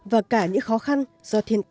và cả những khó khăn do thiện nguyện